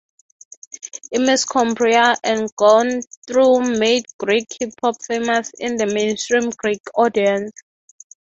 Imiskoumbria and Goin' Through made Greek hip-hop famous in the mainstream Greek audience.